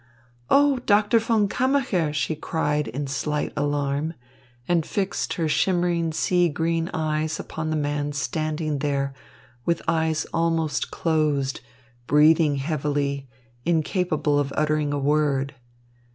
"Oh, Doctor von Kammacher!" she cried in slight alarm, and fixed her shimmering sea green eyes upon the man standing there with eyes almost closed, breathing heavily, incapable of uttering a word.